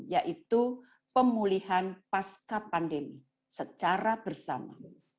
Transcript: yaitu pemulihan pasca pandemi secara bersama